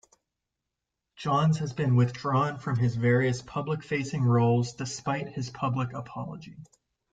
Johns has been withdrawn from his various public facing roles despite his public apology.